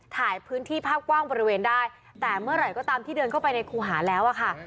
ถ่ายพื้นที่ภาพกว้างบริเวณได้แต่เมื่อไหร่ก็ตามที่เดินเข้าไปในครูหาแล้วอะค่ะ